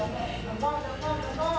tembak tembak tembak